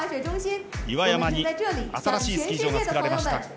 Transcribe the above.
岩山に新しいスキー場が作られました。